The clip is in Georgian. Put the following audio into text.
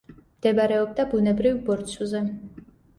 მდებარეობდა ბუნებრივ ბორცვზე.